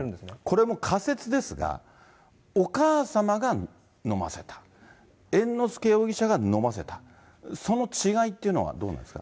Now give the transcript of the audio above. これも仮説ですが、お母様が飲ませた、猿之助容疑者が飲ませた、その違いっていうのはどうなんですか。